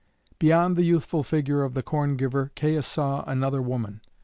Beyond the youthful figure of the corn giver Caius saw another woman.